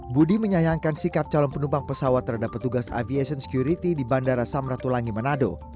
budi menyayangkan sikap calon penumpang pesawat terhadap petugas aviation security di bandara samratulangi manado